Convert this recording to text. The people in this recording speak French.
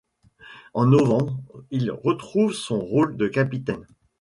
En novembre, il retrouve son rôle de capitaine.